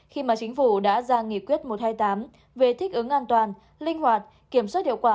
khi mà chính phủ đã ra nghị quyết một trăm hai mươi tám về thích ứng an toàn linh hoạt kiểm soát hiệu quả